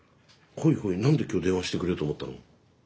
ほいほい何で今日電話してくれようと思ったの？